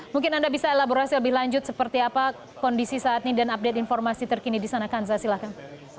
mungkin anda bisa elaborasi lebih lanjut seperti apa kondisi saat ini dan update informasi terkini di sana kanza silahkan